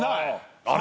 あれ？